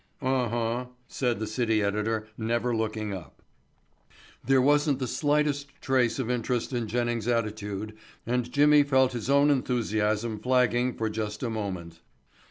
"Uh, uh," said the city editor, never looking up. There wasn't the slightest trace of interest in Jennings' attitude and Jimmy felt his own enthusiasm flagging for just a moment.